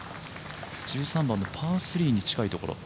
１３番のパー３に近いところ。